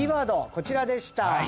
こちらでした。